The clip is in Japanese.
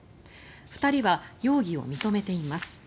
２人は容疑を認めています。